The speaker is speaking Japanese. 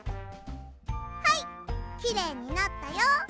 はいきれいになったよ。